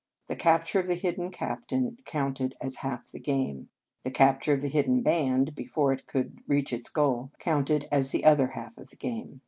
The capture of the hidden captain counted as half the game. The cap ture of the hidden band, before it could reach its goal, counted as the other half of the game.